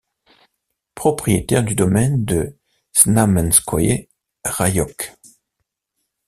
Propriétaire du domaine de Znamenskoïe-Raiok.